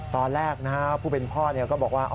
ตอนแรกผู้เป็นพ่อก็บอกว่า